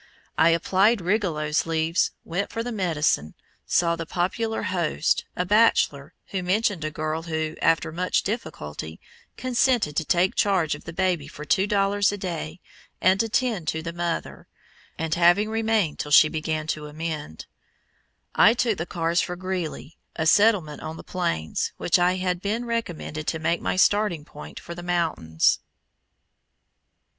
I applied Rigollot's leaves, went for the medicine, saw the popular host a bachelor who mentioned a girl who, after much difficulty, consented to take charge of the baby for two dollars a day and attend to the mother, and having remained till she began to amend, I took the cars for Greeley, a settlement on the Plains, which I had been recommended to make my starting point for the mountains.